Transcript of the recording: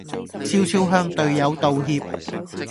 俏俏向隊友道歉